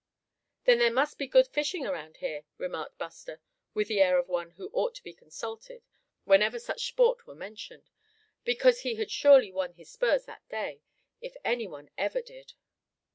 "Then there must be good fishing around here," remarked Buster, with the air of one who ought to be consulted whenever such sport were mentioned, because he had surely won his spurs that day, if any one ever did.